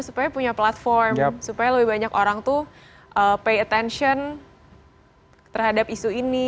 dan aku punya platform supaya lebih banyak orang tuh pay attention terhadap isu ini